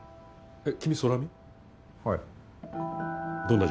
えっ？